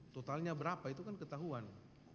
totalnya berapa itu kan ketahuan